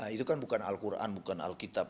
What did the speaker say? itu kan bukan al quran bukan alkitab